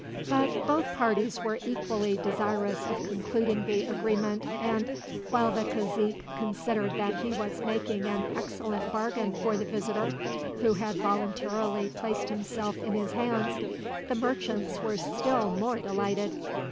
But both parties were equally desirous of concluding the agreement and, while the cazique considered that he was making an excellent bargain for the visitor who had voluntarily placed himself in his hands, the merchants were still more delighted.